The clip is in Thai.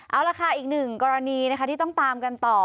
เอาล่ะค่ะอีก๑กรณีที่ต้องตามกันต่อ